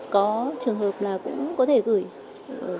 có trường hợp là cũng có thể gửi giúp cho người dân